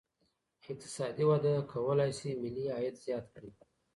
اقتصادي وده کولی سي ملي عايد زيات کړي.